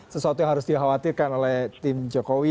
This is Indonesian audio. sesuatu yang harus dikhawatirkan oleh tim jokowi